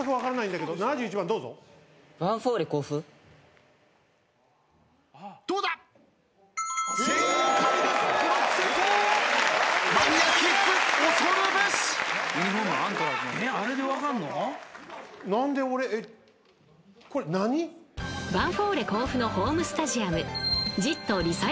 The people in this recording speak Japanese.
［ヴァンフォーレ甲府のホームスタジアム］